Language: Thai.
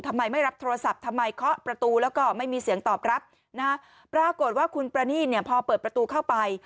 ไม่รับโทรศัพท์ทำไมเคาะประตูแล้วก็ไม่มีเสียงตอบรับนะปรากฏว่าคุณประนีตเนี่ยพอเปิดประตูเข้าไป